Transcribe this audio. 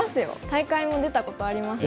大会も出たことあります。